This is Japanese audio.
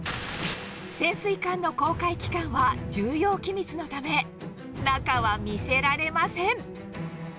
潜水艦の航海期間は重要機密のため、中は見せられません。